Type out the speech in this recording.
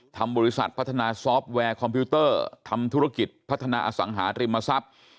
บริษัทพัฒนาซอฟต์แวร์คอมพิวเตอร์ทำธุรกิจพัฒนาอสังหาริมทรัพย์